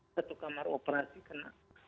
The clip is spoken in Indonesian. satu kamar operasi kena